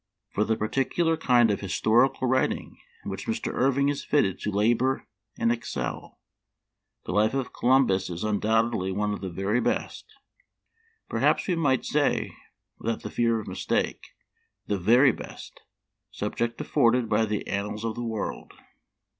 ... For the particular kind of historical writing in which Mr. Irving is fitted to labor and excel, the Life of Columbus is un doubtedly one of the very best, perhaps we might say without the fear of mistake the very best, subject afforded by the annals of the world.